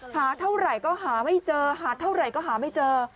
หาเท่าไหร่ก็หาไม่เจอหาเท่าไหร่ก็หาไม่เจอ